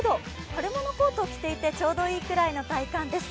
春物コートを着ていてちょうどいいくらいの体感です。